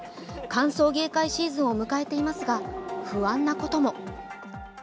歓送迎会シーズンを迎えていますが、不安なことも。